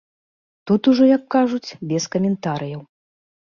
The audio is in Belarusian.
Тут ужо, як кажуць, без каментарыяў.